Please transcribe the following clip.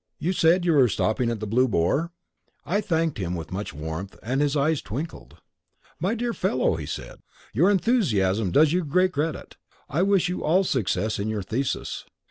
You said you were stopping at the Blue Boar?" I thanked him with such warmth that his eyes twinkled. "My dear fellow," he said, "your enthusiasm does you great credit. I wish you all success in your thesis."